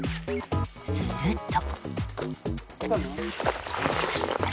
すると。